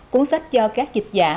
cuốn sách do các dịch giả